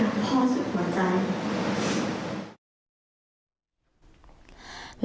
รักพ่อสุดหัวใจ